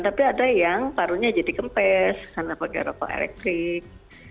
tapi ada yang parunya jadi kempes karena pakai rokok elektrik